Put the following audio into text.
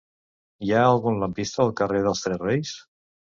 Hi ha algun lampista al carrer dels Tres Reis?